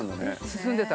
進んでた。